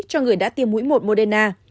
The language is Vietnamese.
cho người đã tiêm mũi một moderna